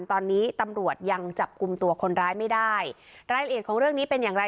ตอนนี้ตำรวจยังจับกลุ่มตัวคนร้ายไม่ได้รายละเอียดของเรื่องนี้เป็นอย่างไร